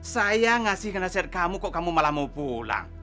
saya ngasih nasihat kamu kok kamu malah mau pulang